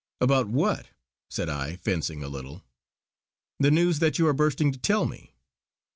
"About what?" said I, fencing a little. "The news that you are bursting to tell me.